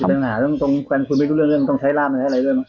ปัญหาเรื่องตรงกันคุณไม่รู้เรื่องเรื่องต้องใช้ร่ามใช้อะไรเรื่อง